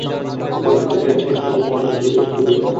কলমিরচর গ্রামের শেষ প্রান্ত থেকে নদীর তীরের দূরত্ব ছিল দুই কিলোমিটার।